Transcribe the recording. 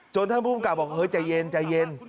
จนท่านภูมิกรรป์บอกเฮ้ยใจเย็น